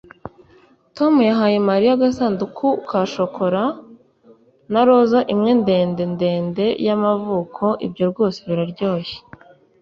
tom yahaye mariya agasanduku ka shokora na roza imwe ndende ndende y'amavuko. ibyo rwose biraryoshye